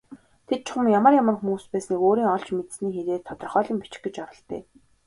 Тэд чухам ямар ямар хүмүүс байсныг өөрийн олж мэдсэний хэрээр тодорхойлон бичих гэж оролдъё.